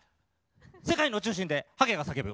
世界の中心ではげが叫ぶ。